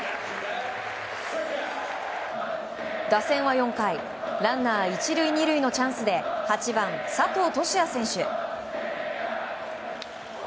打線は４回ランナー１塁２塁のチャンスで８番、佐藤都志也選手。